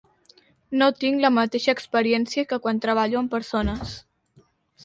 No tinc la mateixa experiència que quan treballo amb persones.